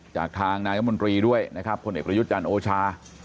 จากทางนายมนตรีด้วยนะครับคนเอกประยุทธ์จันทร์โอชา